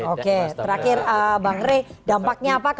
oke terakhir bkg